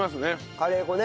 カレー粉ね。